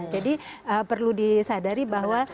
jadi perlu disadari bahwa